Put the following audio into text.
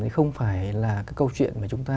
không phải là cái câu chuyện mà chúng ta